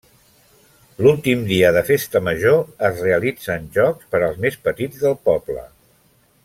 L'últim dia de festa major es realitzen jocs per als més petits del poble.